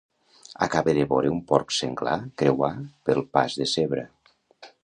Acabe de vore un porc senglar creuar pel pas de zebra.